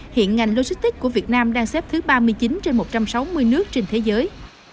hiện ngành logistics của việt nam đang xếp thứ ba mươi chín trên một trăm sáu mươi nước trên thế giới